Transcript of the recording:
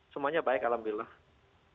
semuanya baik alhamdulillah